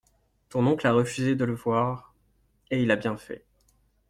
Ton oncle a refusé de le voir… et il a bien fait.